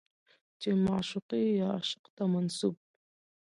چې معشوقې يا عاشق ته منسوب